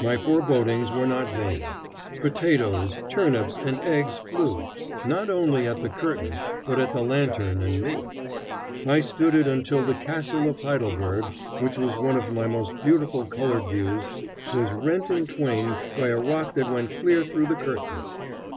My forebodings were not vain. Potatoes, turnips, and eggs flew, not only at the curtain, but at the lantern and me. I stood it until the Castle of Heidelberg, which was one of my most beautiful colored views, was rent in twain by a rock that went clear through the curtain.